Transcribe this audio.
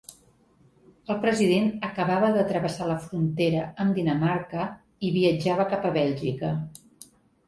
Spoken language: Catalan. El president acabava de travessar la frontera amb Dinamarca i viatjava cap a Bèlgica.